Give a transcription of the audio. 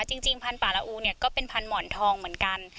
จริงพันธุป่าละอูเนี่ยก็เป็นพันหมอนทองเหมือนกัน